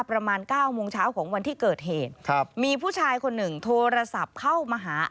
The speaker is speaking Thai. ประมาณเก้าโมงเช้าของวันที่เกิดเหตุครับมีผู้ชายคนหนึ่งโทรศัพท์เข้ามาหา